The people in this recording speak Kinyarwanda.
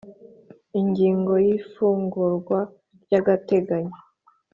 Ingingo ya ifungurwa ry agateganyo